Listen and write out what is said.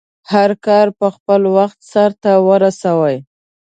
هرکار په خپل وخټ سرته ورسوی